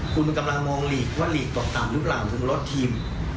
คุณกำลังมองหลีกว่าลีกตกต่ำหรือเปล่าถึงลดทีม